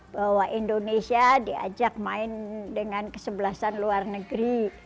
bahwa indonesia diajak main dengan kesebelasan luar negeri